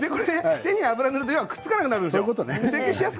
手に油を塗ると要はくっつかなくなるんです。